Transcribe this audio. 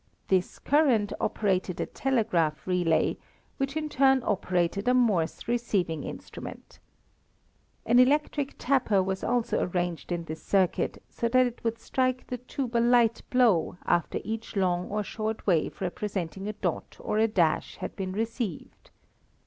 This current operated a telegraph relay which in turn operated a Morse receiving instrument. An electrical tapper was also arranged in this circuit so that it would strike the tube a light blow after each long or short wave representing a dot or a dash had been received.